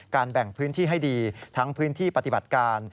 แบ่งพื้นที่ให้ดีทั้งพื้นที่ปฏิบัติการ